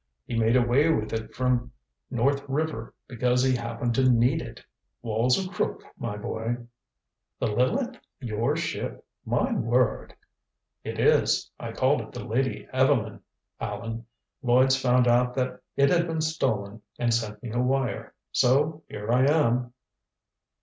He made away with it from North River because he happened to need it. Wall's a crook, my boy." "The Lileth your ship! My word!" "It is. I called it the Lady Evelyn, Allan. Lloyds found out that it had been stolen and sent me a wire. So here I am."